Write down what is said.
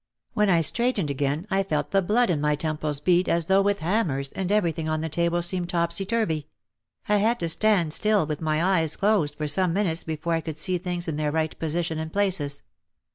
When I straightened again I felt the blood in my temples beat as though with hammers and everything on the table seemed topsey turvey. I had to stand still with my eyes OUT OF THE SHADOW 137 closed for some minutes before I could see things in their right position and places.